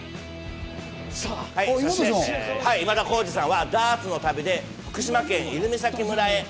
今田耕司さんはダーツの旅で福島県泉崎村へ。